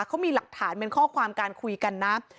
เขามีหลักฐานเป็นข้อความการคุยกันนะ